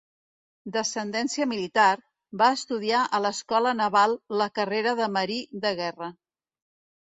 D'ascendència militar, va estudiar a l'Escola Naval la carrera de marí de Guerra.